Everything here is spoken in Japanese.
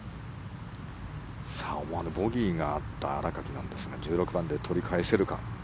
思わぬボギーがあった新垣なんですが１６番で取り返せるか。